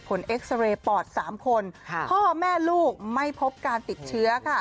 เอ็กซาเรย์ปอด๓คนพ่อแม่ลูกไม่พบการติดเชื้อค่ะ